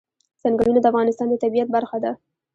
ځنګلونه د افغانستان د طبیعت برخه ده.